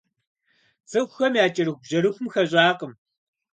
ЦӀыхухэм я кӀэрыхубжьэрыхум хэщӀакъым.